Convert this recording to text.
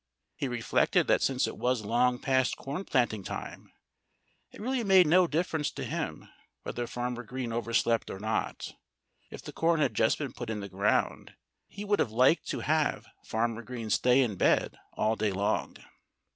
He reflected that since it was long past corn planting time, it really made no difference to him whether Farmer Green overslept or not. If the corn had just been put in the ground, he would have liked to have Farmer Green stay in bed all day long.